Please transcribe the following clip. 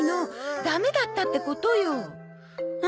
ダメだったってことよ。は